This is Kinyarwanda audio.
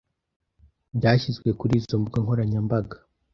byashyizwe kuri izo mbuga nkoranyambaga